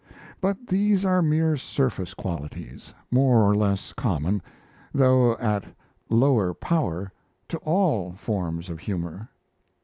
But these are mere surface qualities, more or less common, though at lower power, to all forms of humour.